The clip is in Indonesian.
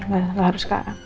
gak harus sekarang